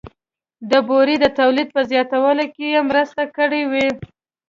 د بورې د تولید په زیاتوالي کې یې مرسته کړې وي